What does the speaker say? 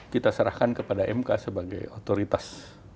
kita serahkan kepada mk sebagai otoritas